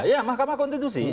ya mahkamah konstitusi